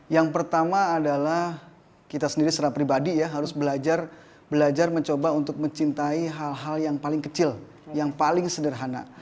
yang pertama adalah kita sendiri secara pribadi ya harus belajar mencoba untuk mencintai hal hal yang paling kecil yang paling sederhana